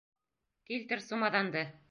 Килтер сумаҙанды!